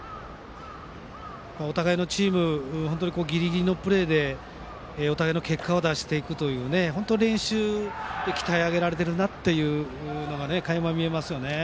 お互いのチームがギリギリのプレーでお互いの結果を出していくという練習で鍛え上げられているというのが垣間見えます。